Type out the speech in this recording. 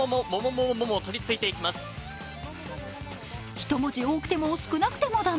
１文字多くても少なくても駄目。